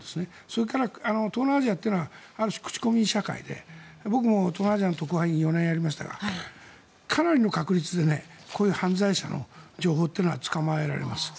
それから、東南アジアというのはある種口コミ社会で僕も東南アジアの特派員を４年やりましたがかなりの確率でこういう犯罪者の情報っていうのはつかまえられます。